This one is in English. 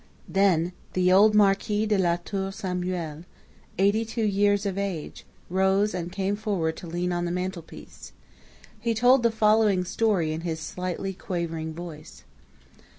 Then the old Marquis de la Tour Samuel, eighty two years of age, rose and came forward to lean on the mantelpiece. He told the following story in his slightly quavering voice.